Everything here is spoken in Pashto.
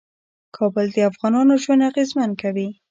کابل د افغانانو ژوند اغېزمن کوي.